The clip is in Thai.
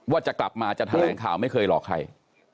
ว่าจะกลับมาจะแถลงข่าวไม่เคยหลอกใคร